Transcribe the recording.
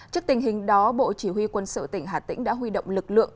trước tình hình đó bộ chỉ huy quân sự tỉnh hà tĩnh đã huy động lực lượng